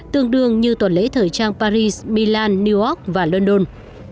tương đương như tuần lễ thời trang paris milan new york và london